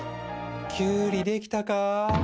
キュウリできたか？